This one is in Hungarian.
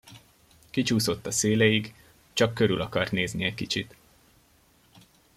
Kicsúszott a széléig, csak körül akart nézni egy kicsit.